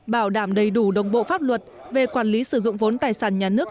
bảo đảm đầy đủ đồng bộ pháp luật về quản lý sử dụng vốn tài sản nhà nước